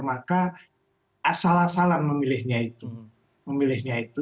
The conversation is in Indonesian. maka asal asalan memilihnya itu